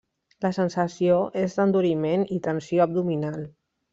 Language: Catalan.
La sensació és d'enduriment i tensió abdominal.